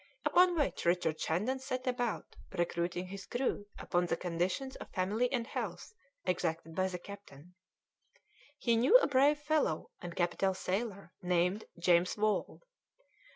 Upon which Richard Shandon set about recruiting his crew upon the conditions of family and health exacted by the captain. He knew a brave fellow and capital sailor, named James Wall.